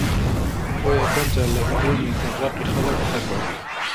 بۆ یەکەم جار لە فیلمی «دڵڕەقی خەڵک» دەرکەوت